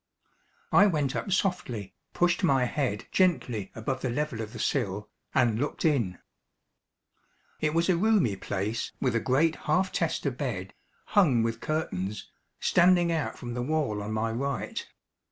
I went up softly, pushed my head gently above the level of the sill, and looked in. It was a roomy place with a great half tester bed, hung with curtains, standing out from the wall on my right.